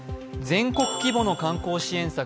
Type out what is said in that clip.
全国規模の観光支援策